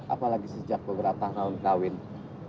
apalagi sejak beberapa tahun kawin